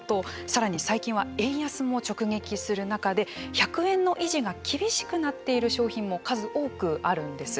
さらに最近は円安も直撃する中で１００円の維持が厳しくなっている商品も数多くあるんです。